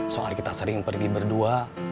soal kita sering pergi berdua